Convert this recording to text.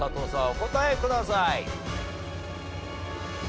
お答えください。